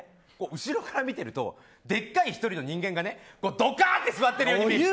後ろから見てるとでかい１人の人がドカンと座ってるように見える。